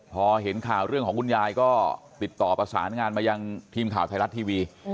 พอเห็นข่าวเรื่องของคุณยายก็ติดต่อประสานงานมายังทีมข่าวไทยรัฐทีวี